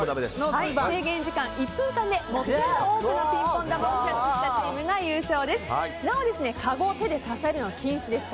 制限時間１分間で最も多くのピンポン球をキャッチしたチームが優勝です。